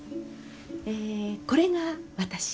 えこれが私。